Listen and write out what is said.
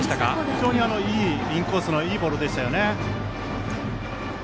非常にいいインコースのボールでしたね。